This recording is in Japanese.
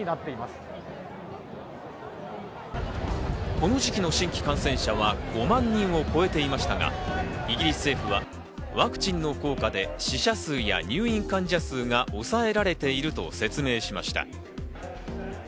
この時期の新規感染者は５万人を超えていましたが、イギリス政府はワクチンの効果で死者数や入院患者数が抑えられていると説明しました。